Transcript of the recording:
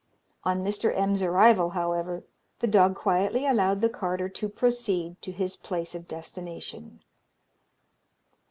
On Mr. M.'s arrival, however, the dog quietly allowed the carter to proceed to his place of destination."